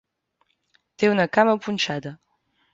Té una cama punxada.